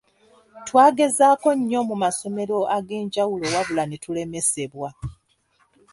Twagezaako nnyo mu masomero ag’enjawulo wabula ne tulemesebwa.